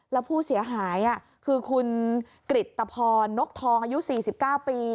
แล้วผู้เสียหายคือคุณกริตภรณกทองอายุ๔๙ปี